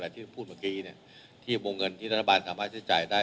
ที่พูดเมื่อกี้ที่วงเงินที่รัฐบาลสามารถใช้จ่ายได้